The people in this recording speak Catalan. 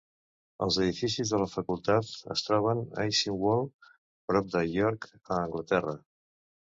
Els edificis de la facultat es troben a Easingworld, prop de York, a Anglaterra.